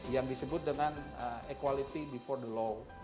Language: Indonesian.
yang disebut dengan equality before the law